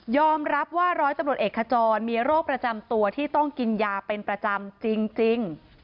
รับว่าร้อยตำรวจเอกขจรมีโรคประจำตัวที่ต้องกินยาเป็นประจำจริง